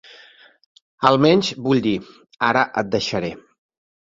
Almenys, vull dir, ara et deixaré.